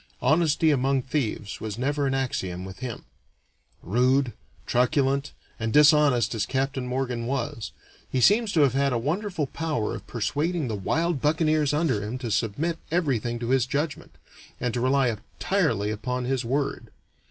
Honesty among thieves was never an axiom with him. Rude, truculent, and dishonest as Captain Morgan was, he seems to have had a wonderful power of persuading the wild buccaneers under him to submit everything to his judgment, and to rely entirely upon his word.